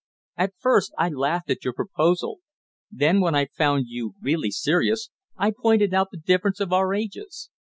At first I laughed at your proposal; then when I found you really serious, I pointed out the difference of our ages.